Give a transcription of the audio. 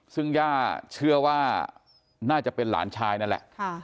ซึ่งย่าเชื่อว่าน่าจะเป็นหลานชายนั่นแหละ